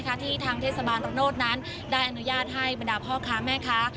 แล้วนะคะที่ทางเทศบาลรักษณ์นั้นได้อนุญาตให้บรรดาพ่อค้าแม่ค้า